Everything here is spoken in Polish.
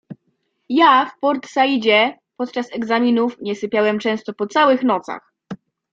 Ja w Port-Saidzie w czasie egzaminów nie sypiałem często po całych nocach